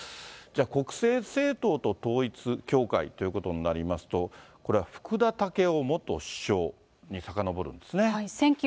国政政党と統一教会ということになりますと、これは福田赳夫元首相にさかのぼるんですね。